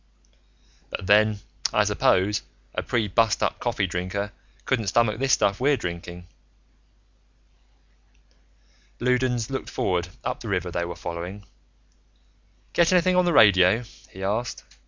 "But then, I suppose, a pre bustup coffee drinker couldn't stomach this stuff we're drinking." Loudons looked forward, up the river they were following. "Get anything on the radio?" he asked.